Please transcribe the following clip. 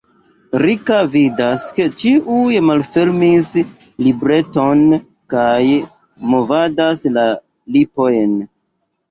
Rika vidas, ke ĉiuj malfermis libreton kaj movadas la lipojn.